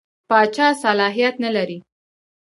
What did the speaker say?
پاچا صلاحیت نه لري.